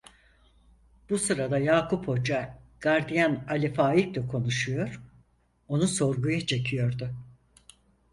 Bu sırada Yakup Hoca, gardiyan Ali Faik'le konuşuyor, onu sorguya çekiyordu.